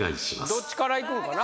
どっちからいくんかな？